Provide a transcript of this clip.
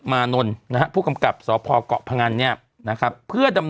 มานนท์นะฮะผู้กำกับสพเกาะพงันเนี่ยนะครับเพื่อดำ